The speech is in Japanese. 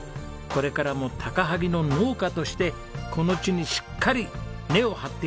これからも高萩の農家としてこの地にしっかり根を張っていってください！